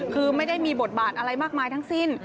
คือไม่ได้มีบทบาทอะไรมากมายทั้งสิ้น